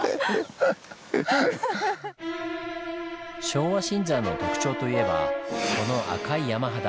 昭和新山の特徴といえばこの赤い山肌。